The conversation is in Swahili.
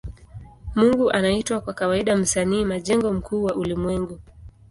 Mungu anaitwa kwa kawaida Msanii majengo mkuu wa ulimwengu.